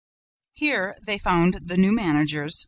Here they found the new managers, M.